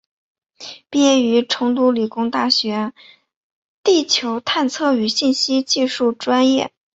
毕业于成都理工大学地球探测与信息技术专业。